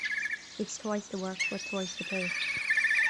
It's twice the work but twice the pay.